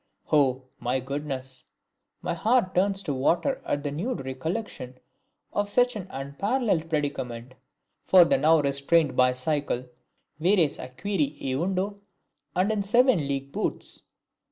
Oh, my goodness! My heart turns to water at the nude recollection of such an unparalleled predicament, for the now unrestrained bicycle vires acquirit eundo, and in seven league boots!